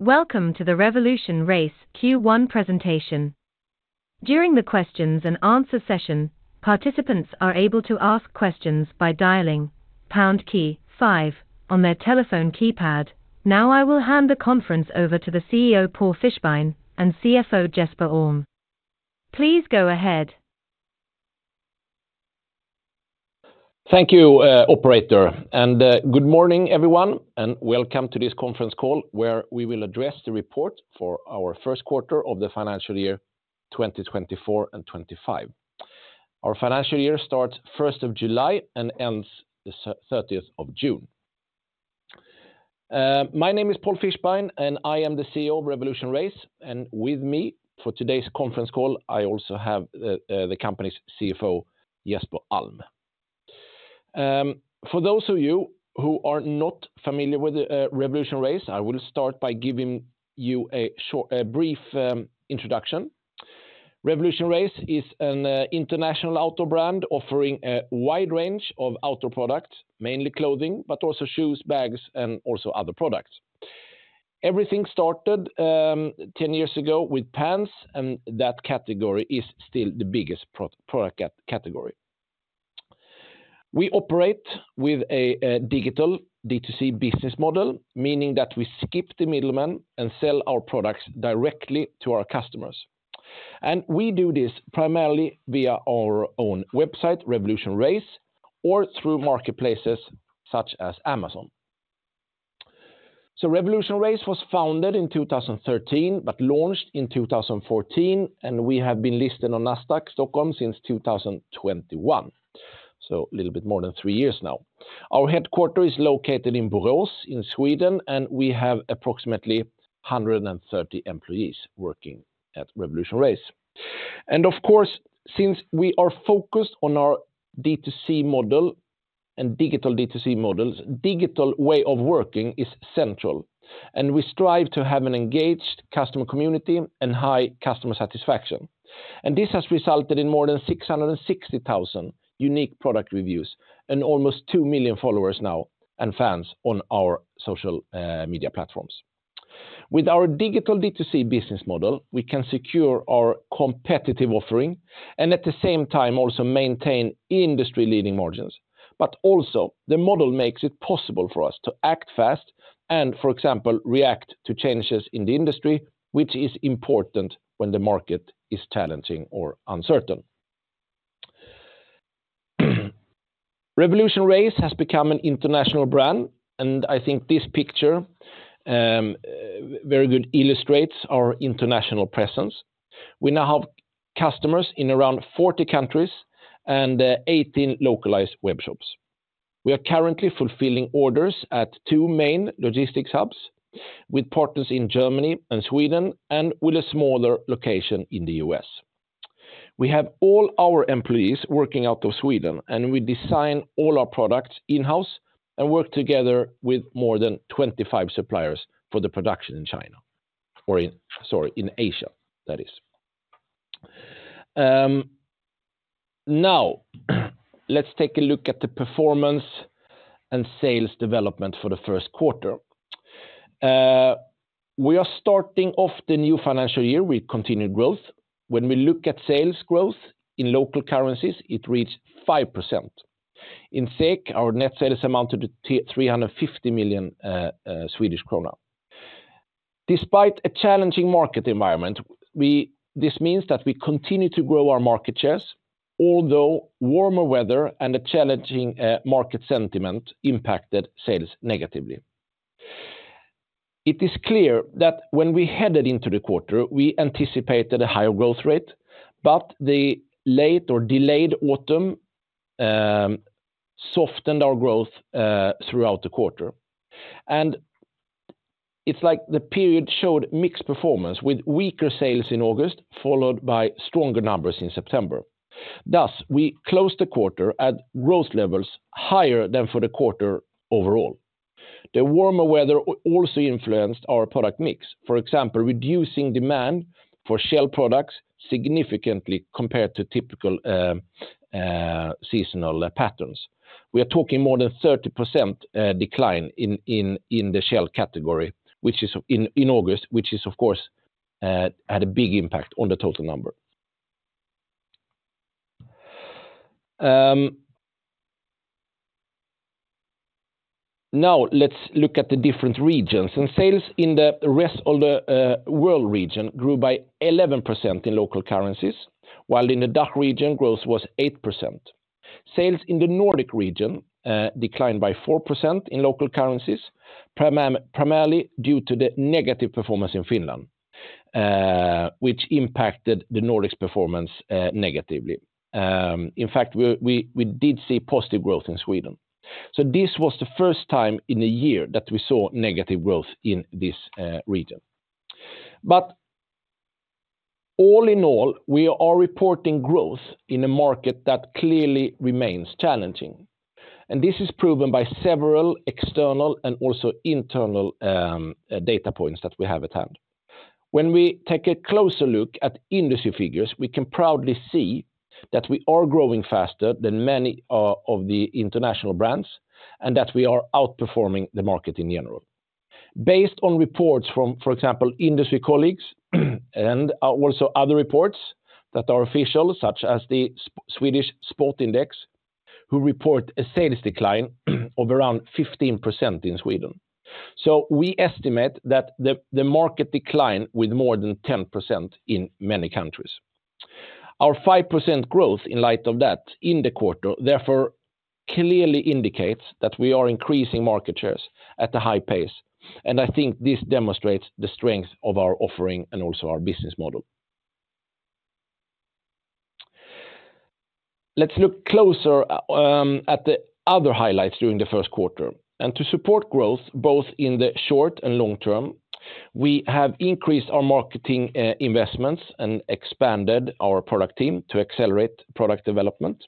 Welcome to the RevolutionRace Q1 presentation. During the Q&A session, participants are able to ask questions by dialing pound 5 on their telephone keypad. Now I will hand the conference over to the CEO, Paul Fischbein, and CFO, Jesper Alm. Please go ahead. Thank you, Operator. Good morning, everyone, and welcome to this conference call where we will address the report for our first quarter of the financial year 2024 and 2025. Our financial year starts 1 July and ends 30 June. My name is Paul Fischbein, and I am the CEO of RevolutionRace. With me for today's conference call, I also have the company's CFO, Jesper Alm. For those of you who are not familiar with RevolutionRace, I will start by giving you a brief introduction. RevolutionRace is an international outdoor brand offering a wide range of outdoor products, mainly clothing, but also shoes, bags, and also other products. Everything started 10 years ago with pants, and that category is still the biggest product category. We operate with a digital D2C business model, meaning that we skip the middleman and sell our products directly to our customers. We do this primarily via our own website, RevolutionRace, or through marketplaces such as Amazon. So RevolutionRace was founded in 2013 but launched in 2014, and we have been listed on Nasdaq Stockholm since 2021, so a little bit more than three years now. Our headquarters is located in Borås in Sweden, and we have approximately 130 employees working at RevolutionRace. And of course, since we are focused on our D2C model and digital D2C models, a digital way of working is central. And we strive to have an engaged customer community and high customer satisfaction. And this has resulted in more than 660,000 unique product reviews and almost 2 million followers now and fans on our social media platforms. With our digital D2C business model, we can secure our competitive offering and at the same time also maintain industry-leading margins. But also, the model makes it possible for us to act fast and, for example, react to changes in the industry, which is important when the market is challenging or uncertain. RevolutionRace has become an international brand, and I think this picture very well illustrates our international presence. We now have customers in around 40 countries and 18 localized webshops. We are currently fulfilling orders at two main logistics hubs with partners in Germany and Sweden and with a smaller location in the U.S. We have all our employees working out of Sweden, and we design all our products in-house and work together with more than 25 suppliers for the production in China, or sorry, in Asia, that is. Now, let's take a look at the performance and sales development for the first quarter. We are starting off the new financial year with continued growth. When we look at sales growth in local currencies, it reached 5%. In SEK, our net sales amounted to 350 million Swedish kronor. Despite a challenging market environment, this means that we continue to grow our market shares, although warmer weather and a challenging market sentiment impacted sales negatively. It is clear that when we headed into the quarter, we anticipated a higher growth rate, but the late or delayed autumn softened our growth throughout the quarter, and it's like the period showed mixed performance with weaker sales in August followed by stronger numbers in September. Thus, we closed the quarter at growth levels higher than for the quarter overall. The warmer weather also influenced our product mix, for example, reducing demand for shell products significantly compared to typical seasonal patterns. We are talking more than 30% decline in the shell category, which is in August, which, of course, had a big impact on the total number. Now, let's look at the different regions, and sales in the rest of the world region grew by 11% in local currencies, while in the DACH region, growth was 8%. Sales in the Nordic region declined by 4% in local currencies, primarily due to the negative performance in Finland, which impacted the Nordics' performance negatively. In fact, we did see positive growth in Sweden, so this was the first time in a year that we saw negative growth in this region, but all in all, we are reporting growth in a market that clearly remains challenging, and this is proven by several external and also internal data points that we have at hand. When we take a closer look at industry figures, we can proudly see that we are growing faster than many of the international brands and that we are outperforming the market in general. Based on reports from, for example, industry colleagues and also other reports that are official, such as the Swedish Sports Index, who report a sales decline of around 15% in Sweden. So we estimate that the market declined with more than 10% in many countries. Our 5% growth in light of that in the quarter, therefore, clearly indicates that we are increasing market shares at a high pace. And I think this demonstrates the strength of our offering and also our business model. Let's look closer at the other highlights during the first quarter. And to support growth both in the short and long term, we have increased our marketing investments and expanded our product team to accelerate product development.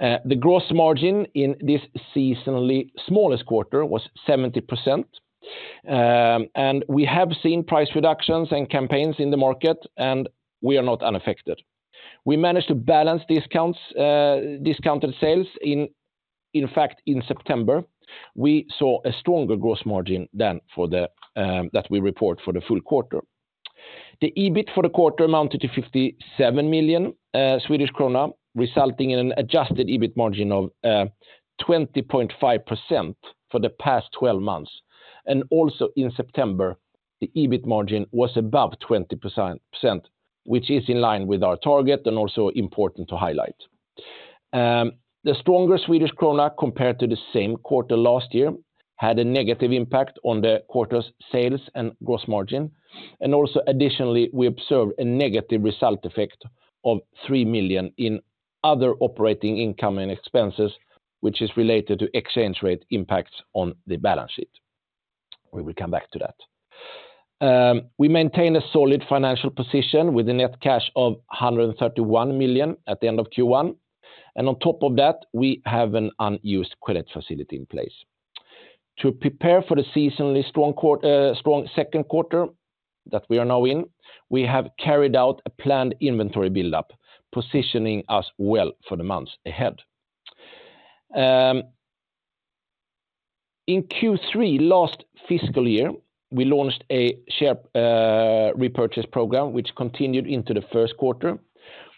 The gross margin in this seasonally smallest quarter was 70%. And we have seen price reductions and campaigns in the market, and we are not unaffected. We managed to balance discounted sales. In fact, in September, we saw a stronger gross margin than that we report for the full quarter. The EBIT for the quarter amounted to 57 million Swedish krona, resulting in an adjusted EBIT margin of 20.5% for the past 12 months. And also in September, the EBIT margin was above 20%, which is in line with our target and also important to highlight. The stronger Swedish kronor compared to the same quarter last year had a negative impact on the quarter's sales and gross margin. Also additionally, we observed a negative result effect of 3 million in other operating income and expenses, which is related to exchange rate impacts on the balance sheet. We will come back to that. We maintain a solid financial position with a net cash of 131 million at the end of Q1. On top of that, we have an unused credit facility in place. To prepare for the seasonally strong second quarter that we are now in, we have carried out a planned inventory build-up, positioning us well for the months ahead. In Q3 last fiscal year, we launched a share repurchase program, which continued into the first quarter,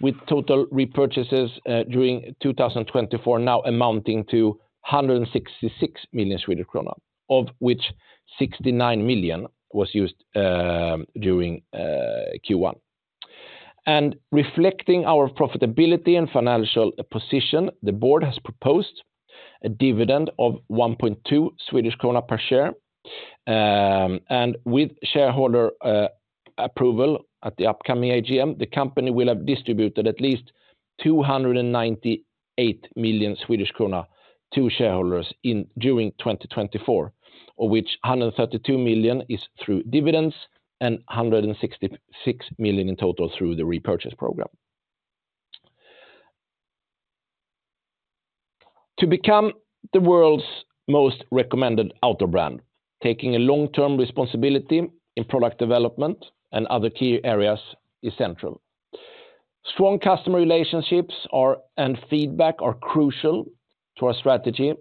with total repurchases during 2024 now amounting to 166 million Swedish krona, of which 69 million was used during Q1. Reflecting our profitability and financial position, the board has proposed a dividend of 1.2 Swedish krona per share. With shareholder approval at the upcoming AGM, the company will have distributed at least 298 million Swedish krona to shareholders during 2024, of which 132 million is through dividends and 166 million in total through the repurchase program. To become the world's most recommended outdoor brand, taking a long-term responsibility in product development and other key areas is central. Strong customer relationships and feedback are crucial to our strategy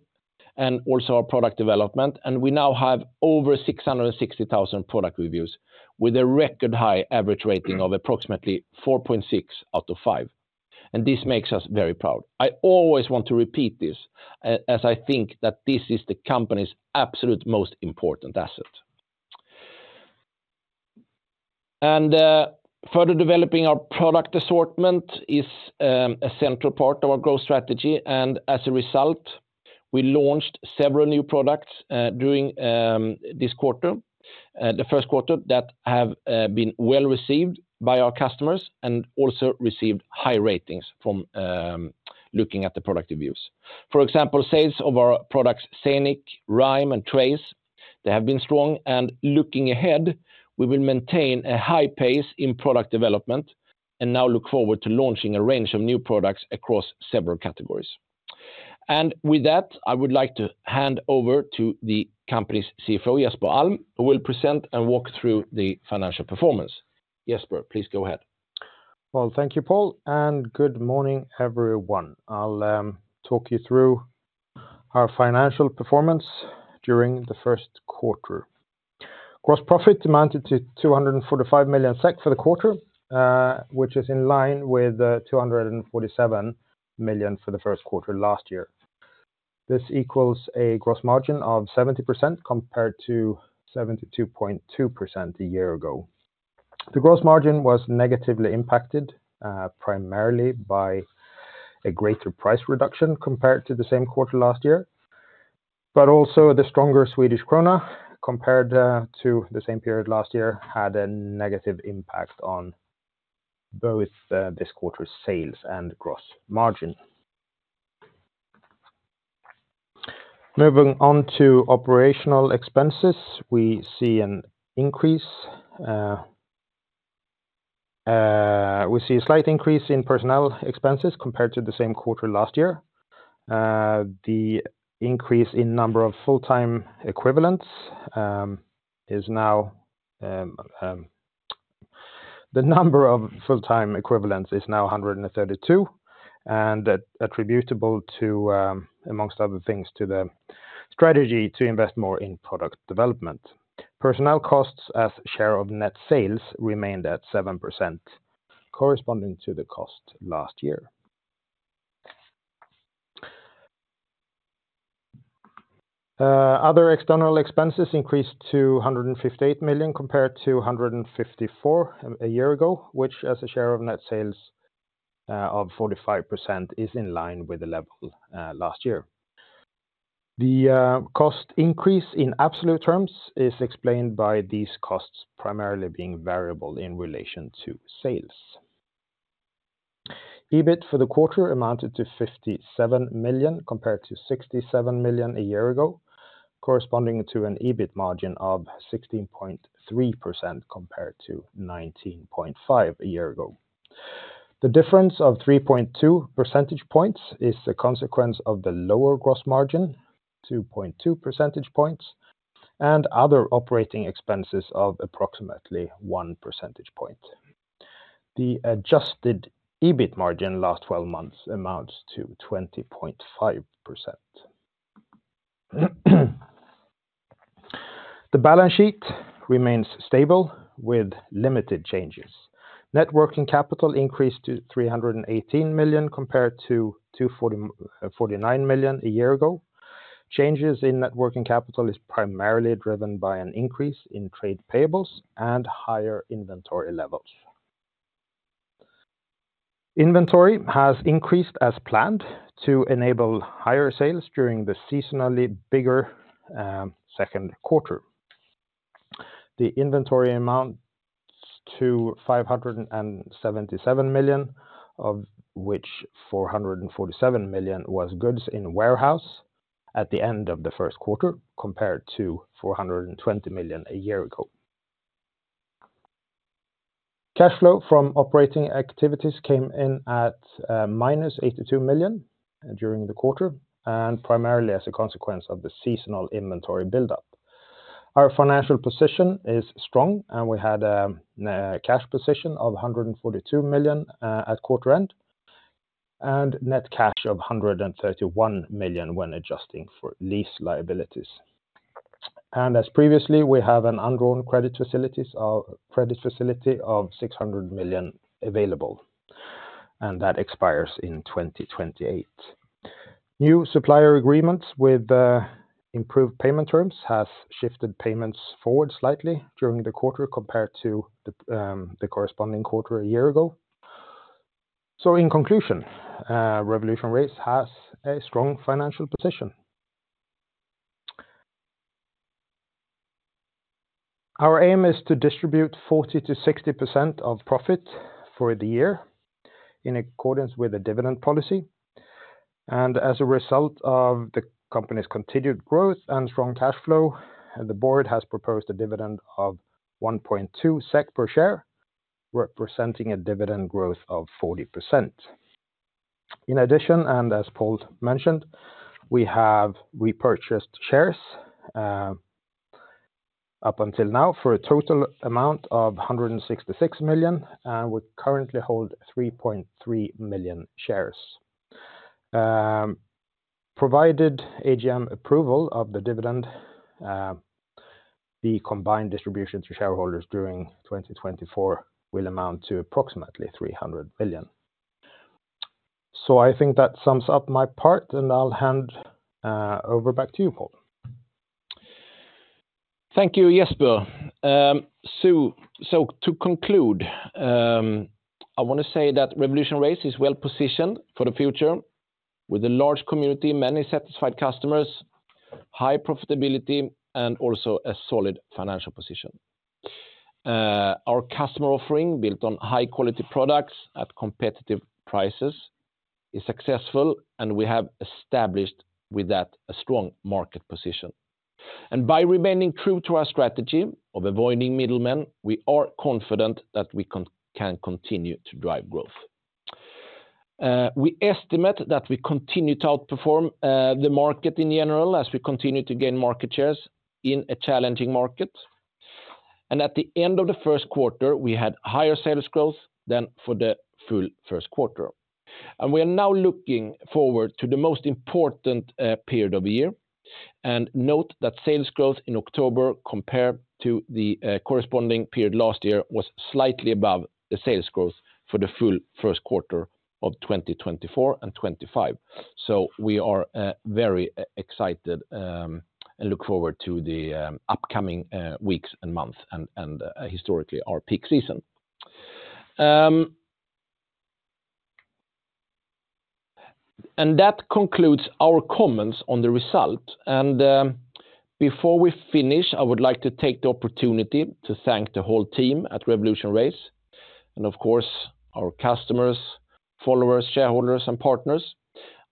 and also our product development. We now have over 660,000 product reviews with a record high average rating of approximately 4.6 out of 5. This makes us very proud. I always want to repeat this as I think that this is the company's absolute most important asset. Further developing our product assortment is a central part of our growth strategy. As a result, we launched several new products during this quarter, the first quarter that have been well received by our customers and also received high ratings from looking at the product reviews. For example, sales of our products Scenic, Rime, and Trace have been strong. Looking ahead, we will maintain a high pace in product development and now look forward to launching a range of new products across several categories. With that, I would like to hand over to the company's CFO, Jesper Alm, who will present and walk through the financial performance. Jesper, please go ahead. Thank you, Paul. Good morning, everyone. I'll talk you through our financial performance during the first quarter. Gross profit amounted to 245 million SEK for the quarter, which is in line with 247 million for the first quarter last year. This equals a gross margin of 70% compared to 72.2% a year ago. The gross margin was negatively impacted primarily by a greater price reduction compared to the same quarter last year. But also the stronger Swedish kronor compared to the same period last year had a negative impact on both this quarter's sales and gross margin. Moving on to operational expenses, we see an increase. We see a slight increase in personnel expenses compared to the same quarter last year. The increase in number of full-time equivalents is now 132 and attributable to, among other things, the strategy to invest more in product development. Personnel costs as share of net sales remained at 7%, corresponding to the cost last year. Other external expenses increased to 158 million compared to 154 million a year ago, which as a share of net sales of 45% is in line with the level last year. The cost increase in absolute terms is explained by these costs primarily being variable in relation to sales. EBIT for the quarter amounted to 57 million compared to 67 million a year ago, corresponding to an EBIT margin of 16.3% compared to 19.5% a year ago. The difference of 3.2 percentage points is a consequence of the lower gross margin, 2.2 percentage points, and other operating expenses of approximately 1 percentage point. The adjusted EBIT margin last 12 months amounts to 20.5%. The balance sheet remains stable with limited changes. Net working capital increased to 318 million compared to 249 million a year ago. Changes in net working capital are primarily driven by an increase in trade payables and higher inventory levels. Inventory has increased as planned to enable higher sales during the seasonally bigger second quarter. The inventory amounts to 577 million, of which 447 million was goods in warehouse at the end of the first quarter compared to 420 million a year ago. Cash flow from operating activities came in at minus 82 million during the quarter and primarily as a consequence of the seasonal inventory build-up. Our financial position is strong, and we had a cash position of 142 million at quarter end and net cash of 131 million when adjusting for lease liabilities. As previously, we have an undrawn credit facility of 600 million SEK available, and that expires in 2028. New supplier agreements with improved payment terms have shifted payments forward slightly during the quarter compared to the corresponding quarter a year ago. In conclusion, RevolutionRace has a strong financial position. Our aim is to distribute 40%-60% of profit for the year in accordance with a dividend policy. As a result of the company's continued growth and strong cash flow, the board has proposed a dividend of 1.2 SEK per share, representing a dividend growth of 40%. In addition, and as Paul mentioned, we have repurchased shares up until now for a total amount of 166 million SEK, and we currently hold 3.3 million shares. Provided AGM approval of the dividend, the combined distribution to shareholders during 2024 will amount to approximately 300 million SEK. So I think that sums up my part, and I'll hand over back to you, Paul. Thank you, Jesper. So to conclude, I want to say that RevolutionRace is well positioned for the future with a large community, many satisfied customers, high profitability, and also a solid financial position. Our customer offering built on high-quality products at competitive prices is successful, and we have established with that a strong market position. And by remaining true to our strategy of avoiding middlemen, we are confident that we can continue to drive growth. We estimate that we continue to outperform the market in general as we continue to gain market shares in a challenging market. And at the end of the first quarter, we had higher sales growth than for the full first quarter. And we are now looking forward to the most important period of the year. And note that sales growth in October compared to the corresponding period last year was slightly above the sales growth for the full first quarter of 2024 and 2025. So we are very excited and look forward to the upcoming weeks and months and historically our peak season. And that concludes our comments on the result. And before we finish, I would like to take the opportunity to thank the whole team at RevolutionRace and, of course, our customers, followers, shareholders, and partners.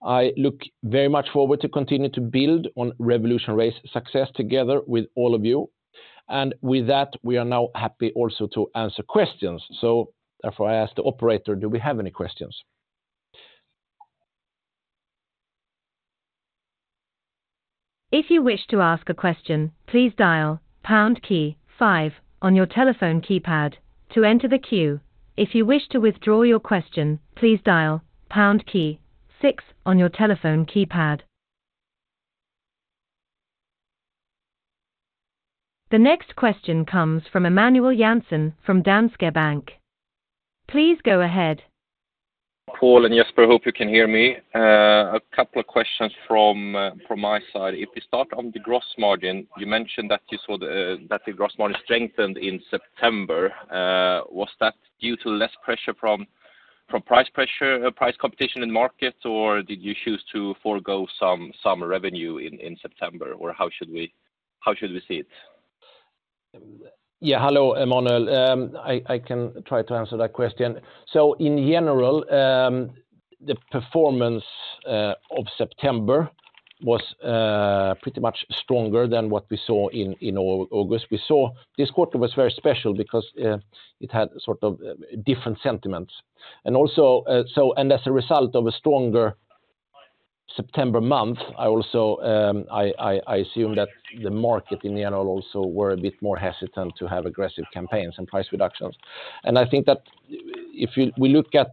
I look very much forward to continuing to build on RevolutionRace's success together with all of you. And with that, we are now happy also to answer questions. So therefore, I ask the operator, do we have any questions? If you wish to ask a question, please dial pound key five on your telephone keypad to enter the queue. If you wish to withdraw your question, please dial pound key six on your telephone keypad. The next question comes from Emmanuel Jansson from Danske Bank. Please go ahead. Paul and Jesper, I hope you can hear me. A couple of questions from my side. If we start on the gross margin, you mentioned that you saw that the gross margin strengthened in September. Was that due to less pressure from price competition in the market, or did you choose to forego some revenue in September, or how should we see it? Yeah, hello, Emmanuel. I can try to answer that question, so in general, the performance of September was pretty much stronger than what we saw in August. This quarter was very special because it had sort of different sentiments, and as a result of a stronger September month, I assume that the market in general also was a bit more hesitant to have aggressive campaigns and price reductions. And I think that if we look at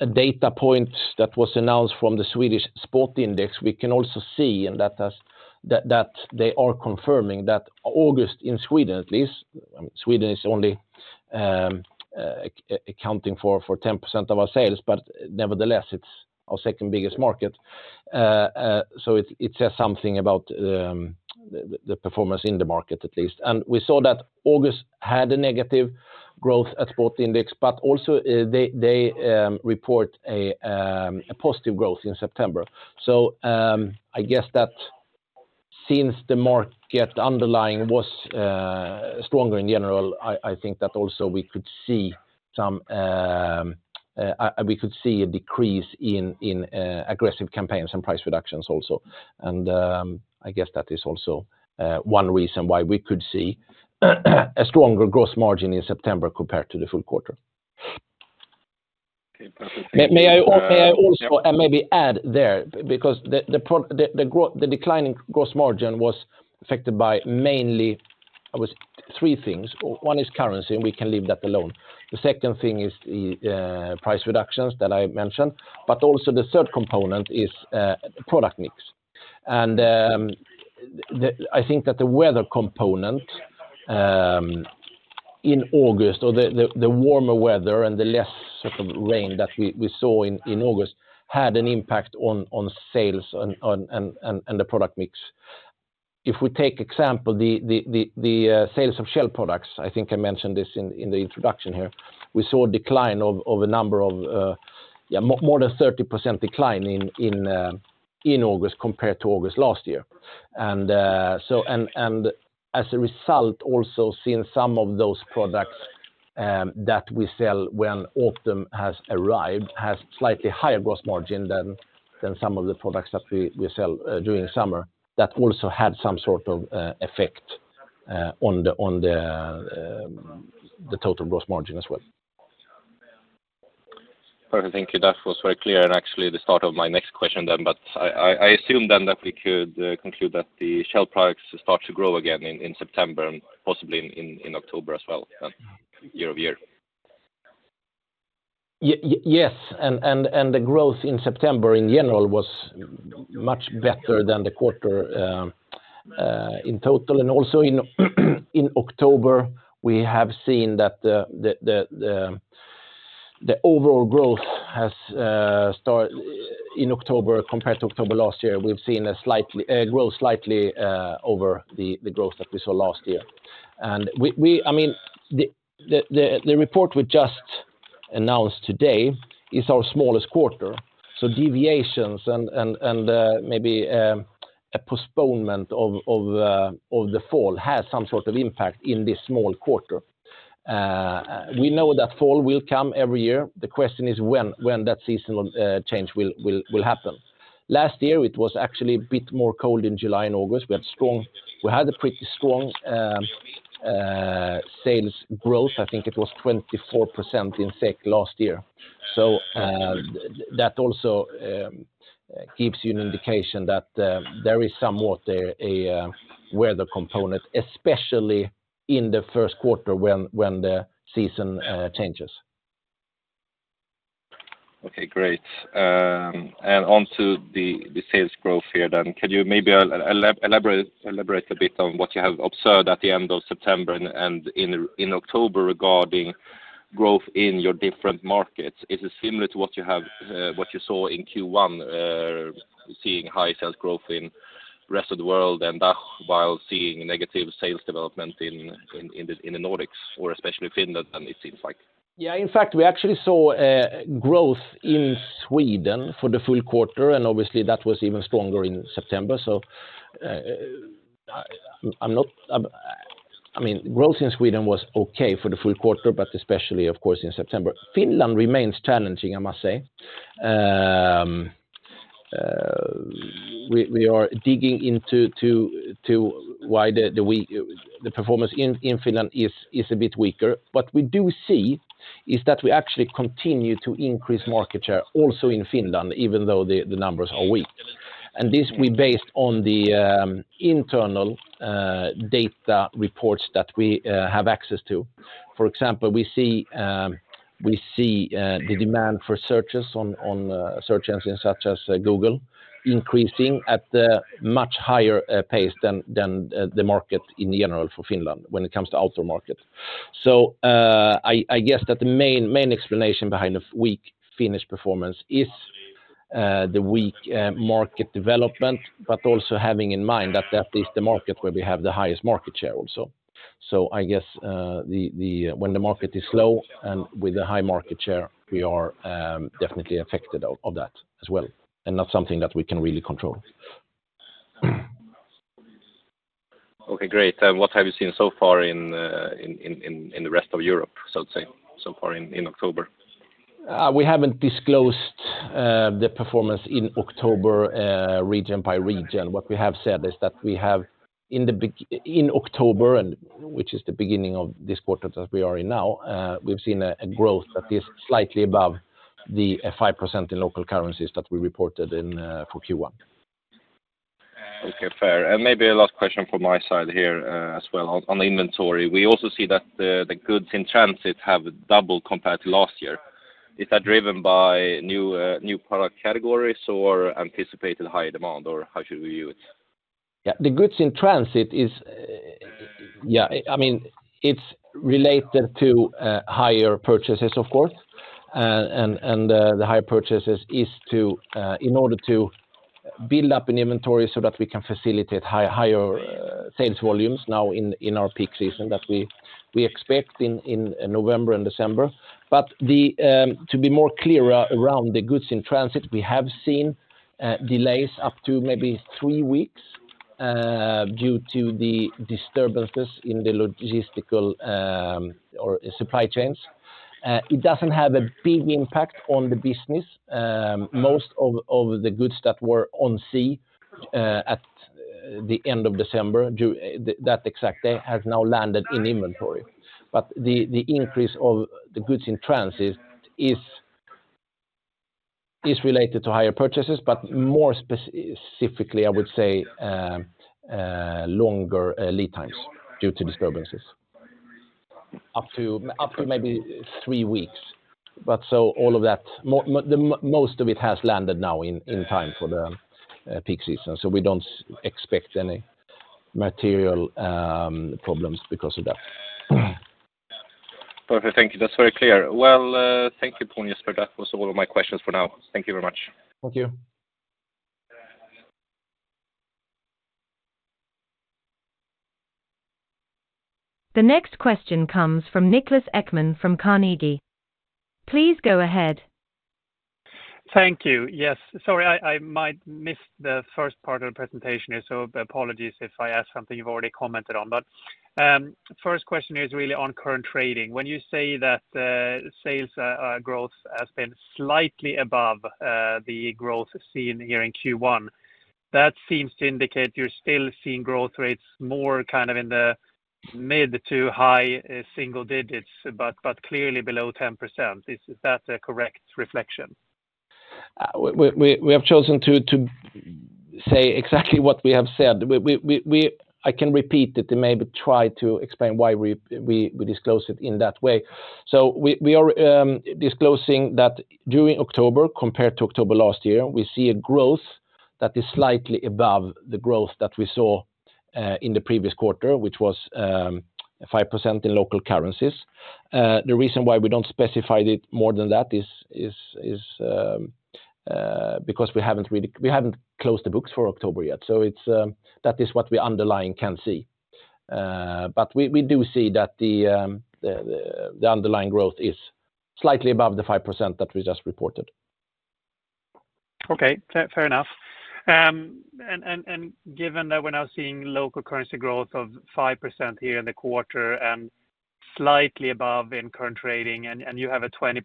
a data point that was announced from the Swedish Sports Index, we can also see that they are confirming that August in Sweden, at least. Sweden is only accounting for 10% of our sales, but nevertheless, it's our second biggest market, so it says something about the performance in the market, at least. And we saw that August had a negative growth at Sports Index, but also they report a positive growth in September. So I guess that since the market underlying was stronger in general, I think that also we could see a decrease in aggressive campaigns and price reductions also. And I guess that is also one reason why we could see a stronger gross margin in September compared to the full quarter. Okay, perfect. May I also maybe add there because the declining gross margin was affected by mainly, I would say, three things. One is currency, and we can leave that alone. The second thing is price reductions that I mentioned, but also the third component is product mix, and I think that the weather component in August, or the warmer weather and the less sort of rain that we saw in August, had an impact on sales and the product mix. If we take example, the sales of shell products, I think I mentioned this in the introduction here, we saw a decline of a number of more than 30% decline in August compared to August last year. As a result, also seeing some of those products that we sell when autumn has arrived has a slightly higher gross margin than some of the products that we sell during summer that also had some sort of effect on the total gross margin as well. Perfect. Thank you. That was very clear and actually the start of my next question then, but I assume then that we could conclude that the shell products start to grow again in September and possibly in October as well, year over year. Yes. And the growth in September in general was much better than the quarter in total. And also in October, we have seen that the overall growth has started in October compared to October last year. We've seen a growth slightly over the growth that we saw last year. And I mean, the report we just announced today is our smallest quarter. So deviations and maybe a postponement of the fall has some sort of impact in this small quarter. We know that fall will come every year. The question is when that seasonal change will happen. Last year, it was actually a bit more cold in July and August. We had a pretty strong sales growth. I think it was 24% in SEK last year. So that also gives you an indication that there is somewhat a weather component, especially in the first quarter when the season changes. Okay, great. And onto the sales growth here then, can you maybe elaborate a bit on what you have observed at the end of September and in October regarding growth in your different markets? Is it similar to what you saw in Q1, seeing high sales growth in the rest of the world and while seeing negative sales development in the Nordics, or especially Finland and it's inside? Yeah, in fact, we actually saw growth in Sweden for the full quarter, and obviously that was even stronger in September. So I mean, growth in Sweden was okay for the full quarter, but especially, of course, in September. Finland remains challenging, I must say. We are digging into why the performance in Finland is a bit weaker. What we do see is that we actually continue to increase market share also in Finland, even though the numbers are weak. And this we based on the internal data reports that we have access to. For example, we see the demand for searches on search engines such as Google increasing at a much higher pace than the market in general for Finland when it comes to outdoor market. So I guess that the main explanation behind the weak Finnish performance is the weak market development, but also having in mind that that is the market where we have the highest market share also. So I guess when the market is slow and with a high market share, we are definitely affected of that as well and not something that we can really control. Okay, great. What have you seen so far in the rest of Europe, so to say, so far in October? We haven't disclosed the performance in October region by region. What we have said is that we have in October, which is the beginning of this quarter that we are in now, we've seen a growth that is slightly above the 5% in local currencies that we reported for Q1. Okay, fair. And maybe a last question from my side here as well on the inventory. We also see that the goods in transit have doubled compared to last year. Is that driven by new product categories or anticipated higher demand, or how should we view it? Yeah, the goods in transit is, yeah, I mean, it's related to higher purchases, of course, and the higher purchases is in order to build up an inventory so that we can facilitate higher sales volumes now in our peak season that we expect in November and December, but to be more clear around the goods in transit, we have seen delays up to maybe three weeks due to the disturbances in the logistical or supply chains. It doesn't have a big impact on the business. Most of the goods that were on sea at the end of December, that exact day has now landed in inventory, but the increase of the goods in transit is related to higher purchases, but more specifically, I would say, longer lead times due to disturbances up to maybe three weeks. But so all of that, most of it has landed now in time for the peak season. So we don't expect any material problems because of that. Perfect. Thank you. That's very clear. Well, thank you, Paul and Jesper. That was all of my questions for now. Thank you very much. Thank you. The next question comes from Niklas Ekman from Carnegie. Please go ahead. Thank you. Yes. Sorry, I might miss the first part of the presentation here, so apologies if I ask something you've already commented on. But first question is really on current trading. When you say that sales growth has been slightly above the growth seen here in Q1, that seems to indicate you're still seeing growth rates more kind of in the mid to high single digits, but clearly below 10%. Is that a correct reflection? We have chosen to say exactly what we have said. I can repeat it and maybe try to explain why we disclose it in that way. So we are disclosing that during October, compared to October last year, we see a growth that is slightly above the growth that we saw in the previous quarter, which was 5% in local currencies. The reason why we don't specify it more than that is because we haven't closed the books for October yet. So that is what we can see underlying. But we do see that the underlying growth is slightly above the 5% that we just reported. Okay, fair enough. And given that we're now seeing local currency growth of 5% here in the quarter and slightly above in current trading, and you have a 20%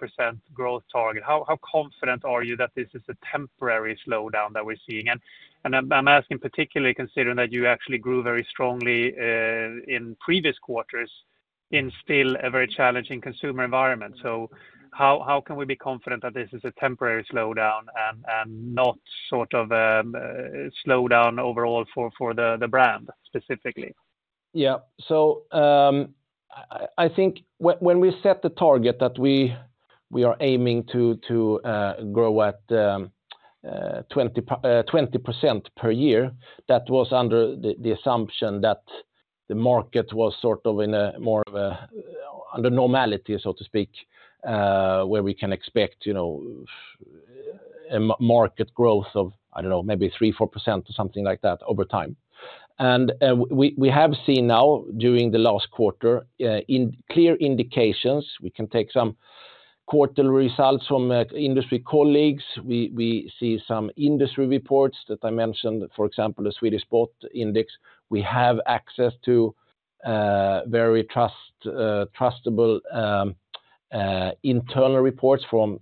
growth target, how confident are you that this is a temporary slowdown that we're seeing? And I'm asking particularly considering that you actually grew very strongly in previous quarters in still a very challenging consumer environment. So how can we be confident that this is a temporary slowdown and not sort of a slowdown overall for the brand specifically? Yeah. So I think when we set the target that we are aiming to grow at 20% per year, that was under the assumption that the market was sort of in more of a under normality, so to speak, where we can expect a market growth of, I don't know, maybe 3, 4% or something like that over time, and we have seen now during the last quarter clear indications. We can take some quarterly results from industry colleagues. We see some industry reports that I mentioned, for example, the Swedish Sports Index. We have access to very trustable internal reports from,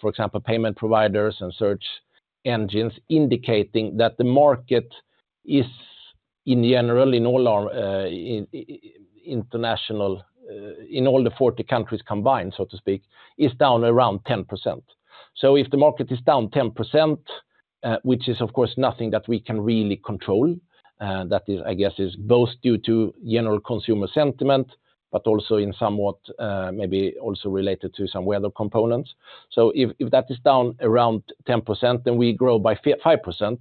for example, payment providers and search engines indicating that the market is in general in all the 40 countries combined, so to speak, is down around 10%. So if the market is down 10%, which is of course nothing that we can really control, that I guess is both due to general consumer sentiment, but also in somewhat maybe also related to some weather components. So if that is down around 10%, then we grow by 5%,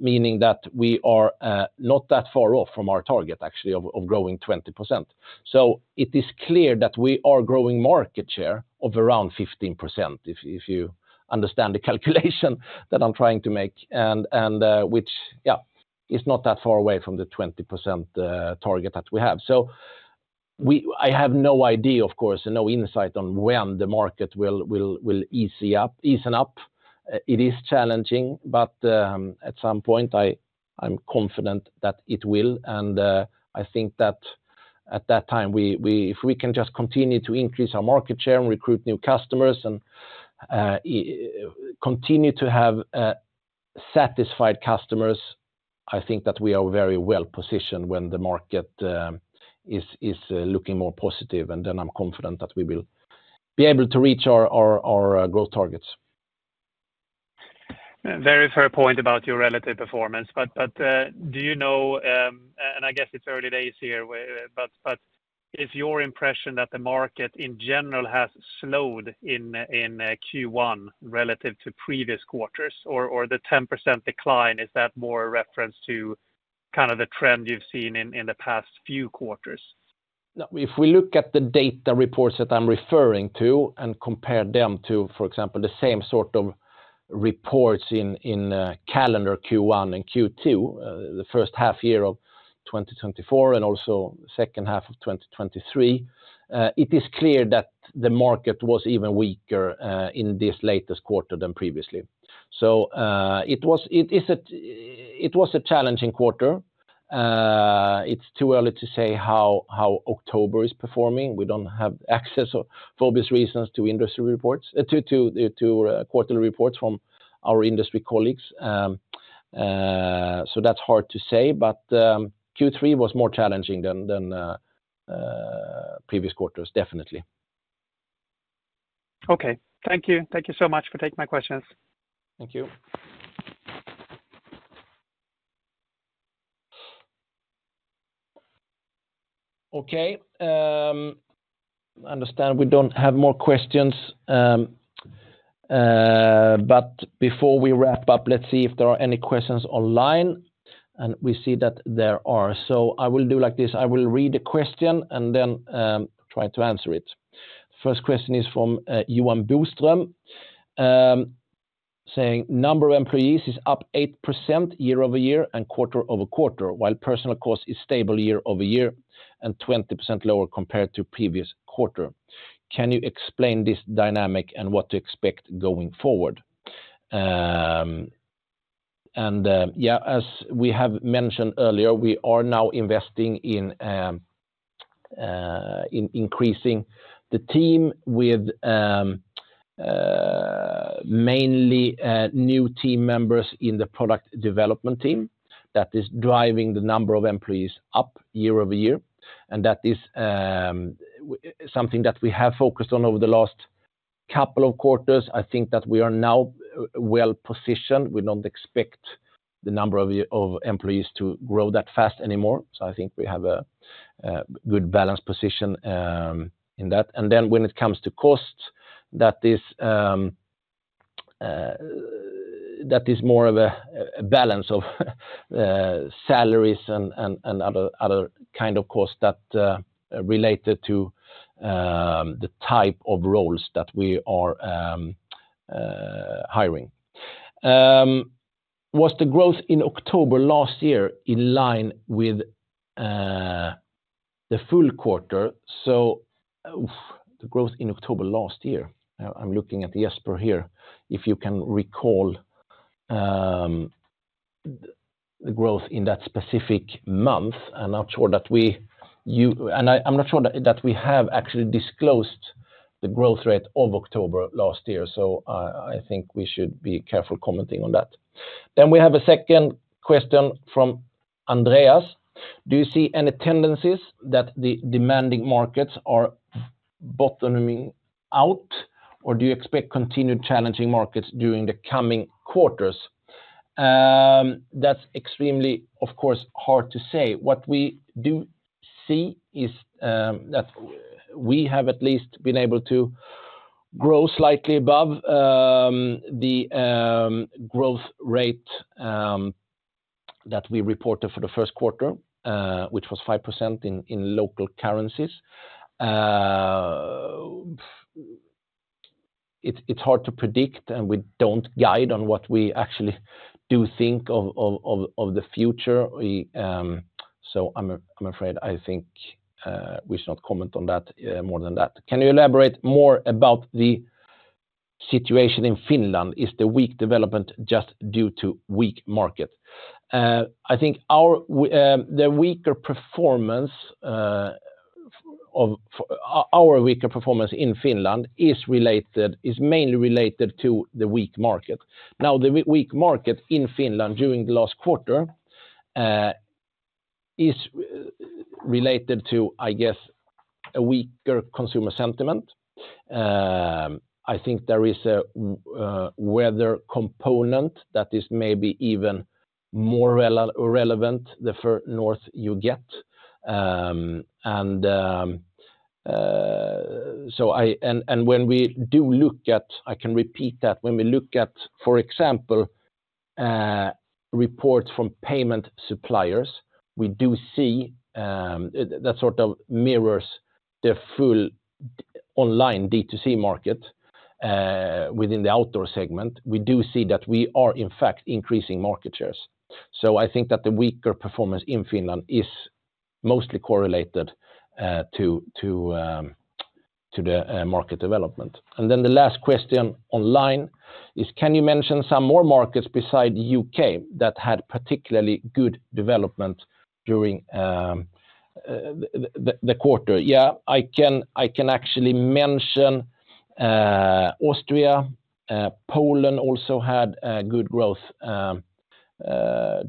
meaning that we are not that far off from our target actually of growing 20%. So it is clear that we are growing market share of around 15%, if you understand the calculation that I'm trying to make, and which, yeah, is not that far away from the 20% target that we have. So I have no idea, of course, and no insight on when the market will ease up. It is challenging, but at some point I'm confident that it will. And I think that at that time, if we can just continue to increase our market share and recruit new customers and continue to have satisfied customers, I think that we are very well positioned when the market is looking more positive. And then I'm confident that we will be able to reach our growth targets. Very fair point about your relative performance. But do you know, and I guess it's early days here, but is your impression that the market in general has slowed in Q1 relative to previous quarters? Or the 10% decline, is that more a reference to kind of the trend you've seen in the past few quarters? No. If we look at the data reports that I'm referring to and compare them to, for example, the same sort of reports in calendar Q1 and Q2, the first half year of 2024 and also second half of 2023, it is clear that the market was even weaker in this latest quarter than previously. So it was a challenging quarter. It's too early to say how October is performing. We don't have access for obvious reasons to quarterly reports from our industry colleagues. So that's hard to say, but Q3 was more challenging than previous quarters, definitely. Okay. Thank you. Thank you so much for taking my questions. Thank you. Okay. I understand we don't have more questions. But before we wrap up, let's see if there are any questions online. And we see that there are. So I will do like this. I will read the question and then try to answer it. First question is from Johan Boström saying, "Number of employees is up 8% year over year and quarter over quarter, while personnel cost is stable year over year and 20% lower compared to previous quarter. Can you explain this dynamic and what to expect going forward?" And yeah, as we have mentioned earlier, we are now investing in increasing the team with mainly new team members in the product development team. That is driving the number of employees up year over year. And that is something that we have focused on over the last couple of quarters. I think that we are now well positioned. We don't expect the number of employees to grow that fast anymore, so I think we have a good balanced position in that, and then when it comes to costs, that is more of a balance of salaries and other kind of costs that are related to the type of roles that we are hiring. Was the growth in October last year in line with the full quarter? So the growth in October last year, I'm looking at Jesper here, if you can recall the growth in that specific month. I'm not sure that we have actually disclosed the growth rate of October last year, so I think we should be careful commenting on that, then we have a second question from Andreas. Do you see any tendencies that the demanding markets are bottoming out, or do you expect continued challenging markets during the coming quarters?" That's extremely, of course, hard to say. What we do see is that we have at least been able to grow slightly above the growth rate that we reported for the first quarter, which was 5% in local currencies. It's hard to predict, and we don't guide on what we actually do think of the future. So I'm afraid I think we should not comment on that more than that. Can you elaborate more about the situation in Finland? Is the weak development just due to weak market? I think the weaker performance in Finland is mainly related to the weak market. Now, the weak market in Finland during the last quarter is related to, I guess, a weaker consumer sentiment. I think there is a weather component that is maybe even more relevant the further north you get, and when we look at, for example, reports from payment suppliers, we do see that sort of mirrors the full online D2C market within the outdoor segment. We do see that we are, in fact, increasing market shares. I think that the weaker performance in Finland is mostly correlated to the market development. Then the last question online is, "Can you mention some more markets beside the UK that had particularly good development during the quarter?" Yeah, I can actually mention Austria. Poland also had good growth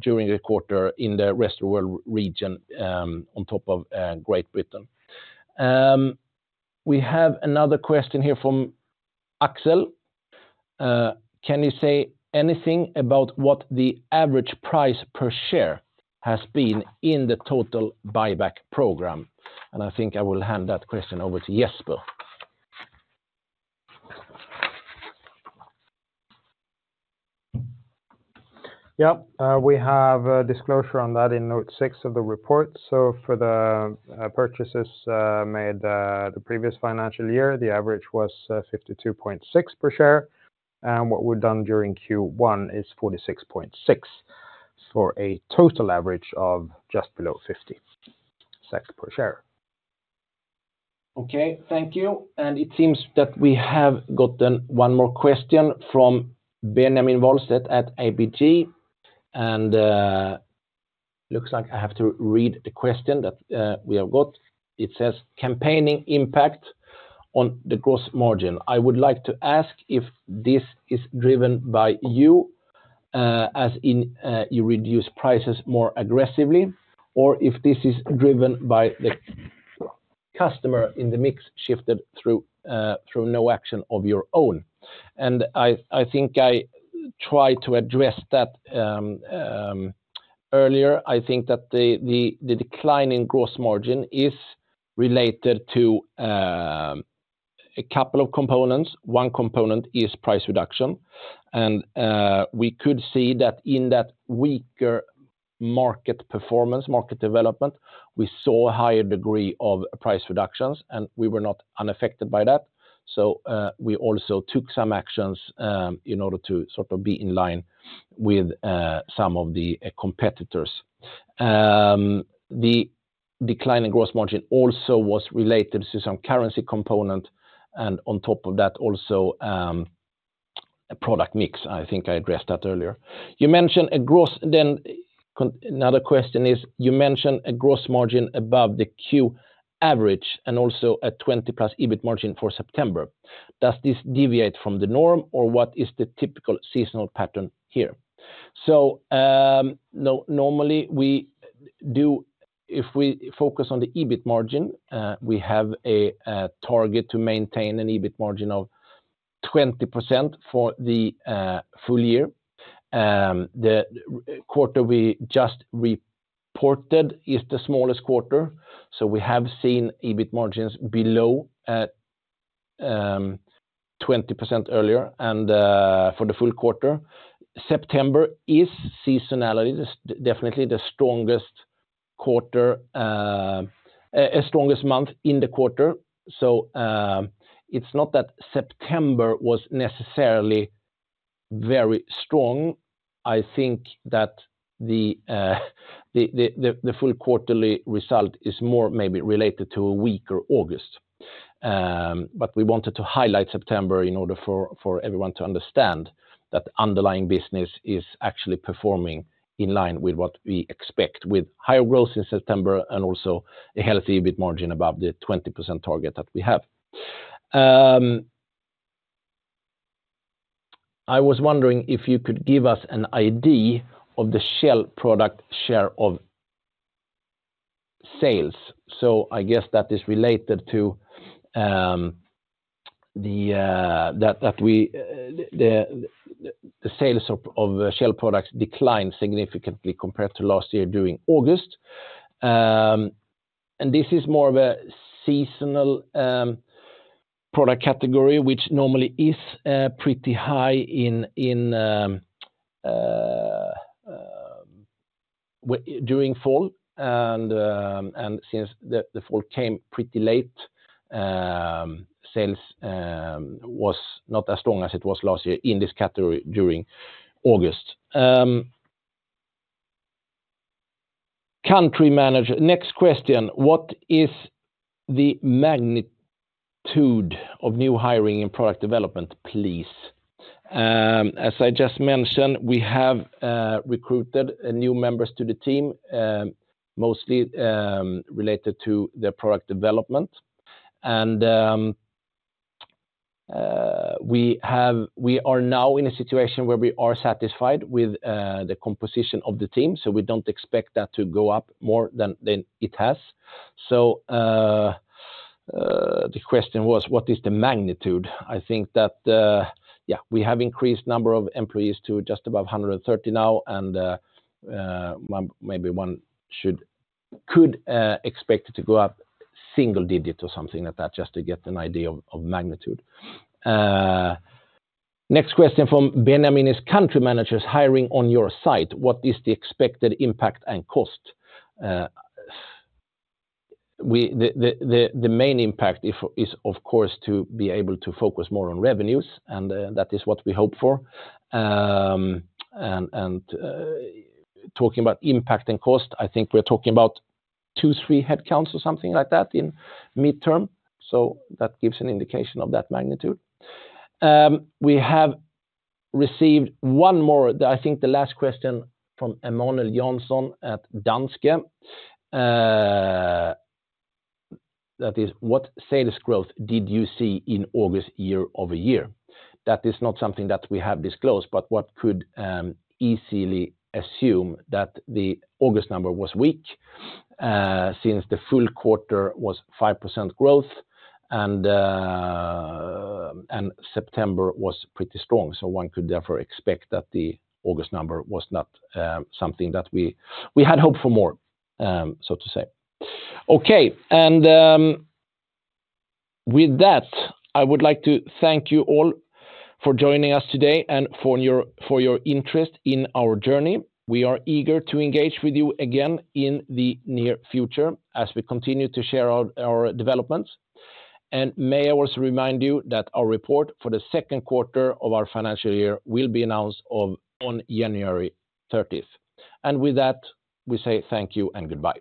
during the quarter in the rest of the world region on top of Great Britain. We have another question here from Axel. Can you say anything about what the average price per share has been in the total buyback program?" And I think I will hand that question over to Jesper. Yeah. We have a disclosure on that in note six of the report. So for the purchases made the previous financial year, the average was 52.6 SEK per share. And what we've done during Q1 is 46.6 SEK for a total average of just below 50 SEK per share. Okay. Thank you. And it seems that we have gotten one more question from Benjamin Wahlstedt at ABG. And it looks like I have to read the question that we have got. It says, "Campaigning impact on the gross margin." I would like to ask if this is driven by you, as in you reduce prices more aggressively, or if this is driven by the customer in the mix shifted through no action of your own. And I think I tried to address that earlier. I think that the decline in gross margin is related to a couple of components. One component is price reduction. And we could see that in that weaker market performance, market development, we saw a higher degree of price reductions, and we were not unaffected by that. We also took some actions in order to sort of be in line with some of the competitors. The decline in gross margin also was related to some currency component. And on top of that, also a product mix. I think I addressed that earlier. You mentioned a gross, then another question is, "You mentioned a gross margin above the Q average and also a 20-plus EBIT margin for September. Does this deviate from the norm, or what is the typical seasonal pattern here?" Normally we do, if we focus on the EBIT margin, we have a target to maintain an EBIT margin of 20% for the full year. The quarter we just reported is the smallest quarter. We have seen EBIT margins below 20% earlier and for the full quarter. September is seasonally, definitely the strongest month in the quarter. So it's not that September was necessarily very strong. I think that the full quarterly result is more maybe related to a weaker August. But we wanted to highlight September in order for everyone to understand that underlying business is actually performing in line with what we expect with higher growth in September and also a healthy EBIT margin above the 20% target that we have. I was wondering if you could give us an idea of the shell product share of sales. So I guess that is related to that the sales of shell products declined significantly compared to last year during August. And this is more of a seasonal product category, which normally is pretty high during fall. And since the fall came pretty late, sales was not as strong as it was last year in this category during August. Country manager. Next question. What is the magnitude of new hiring and product development, please? As I just mentioned, we have recruited new members to the team, mostly related to the product development. And we are now in a situation where we are satisfied with the composition of the team. So we don't expect that to go up more than it has. So the question was, what is the magnitude? I think that, yeah, we have increased the number of employees to just above 130 now. And maybe one could expect it to go up single digit or something like that, just to get an idea of magnitude. Next question from Benjamin is, "Country managers hiring on your site, what is the expected impact and cost?" The main impact is, of course, to be able to focus more on revenues. And that is what we hope for. Talking about impact and cost, I think we're talking about two, three headcounts or something like that in midterm. So that gives an indication of that magnitude. We have received one more, I think the last question from Emmanuel Jansen at Danske. That is, "What sales growth did you see in August year over year?" That is not something that we have disclosed, but what could easily assume that the August number was weak since the full quarter was 5% growth and September was pretty strong. So one could therefore expect that the August number was not something that we had hoped for more, so to say. Okay. And with that, I would like to thank you all for joining us today and for your interest in our journey. We are eager to engage with you again in the near future as we continue to share our developments. May I also remind you that our report for the second quarter of our financial year will be announced on January 30th. With that, we say thank you and goodbye.